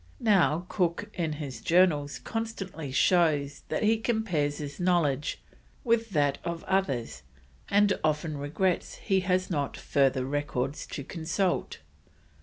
Now Cook in his Journals constantly shows that he compares his knowledge with that of others, and often regrets he has not further records to consult.